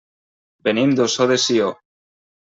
Venim d'Ossó de Sió.